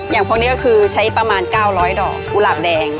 พวกนี้ก็คือใช้ประมาณ๙๐๐ดอกกุหลาบแดง